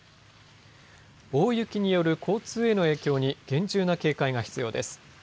大雪による交通への影響に厳重な警戒が必要です。